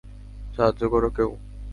সাহায্য করো কেউ!